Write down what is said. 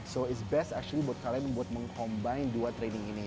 so is best actually buat kalian buat meng combine dua training ini